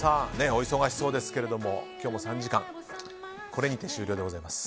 お忙しそうですけども今日も３時間これにて終了でございます。